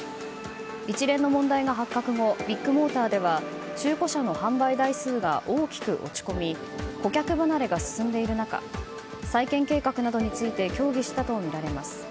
一連の問題が発覚後ビッグモーターでは中古車の販売台数が大きく落ち込み顧客離れが進んでいる中再建計画などについて協議したとみられます。